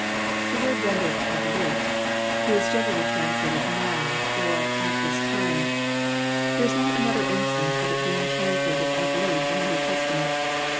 The word rendered " of late " is generally tran^ JOHN, CHAP. XI. 247 lated " now," or " at this time." There Is not auother in<^tance of its being translated of late " in the New Testament.